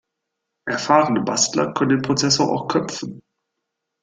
Erfahrene Bastler können den Prozessor auch köpfen.